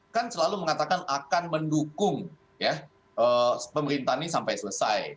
kan selalu mengatakan akan mendukung pemerintahan ini sampai selesai